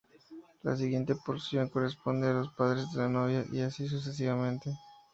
La siguiente porción corresponde a los padres de la novia, y así sucesivamente.